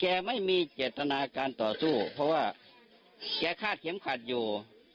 ไม่มีเจตนาการต่อสู้เพราะว่าแกคาดเข็มขัดอยู่